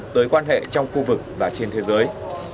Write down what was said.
tới quan hệ trong khu vực và trên thế giới